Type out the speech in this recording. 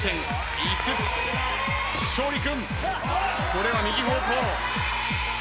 これは右方向。